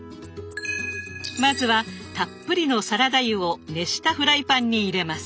まずはたっぷりのサラダ油を熱したフライパンに入れます。